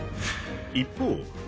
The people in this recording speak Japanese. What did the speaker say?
［一方］